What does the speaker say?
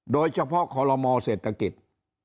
โดยเฉพาะคลมเศรษฐกิจ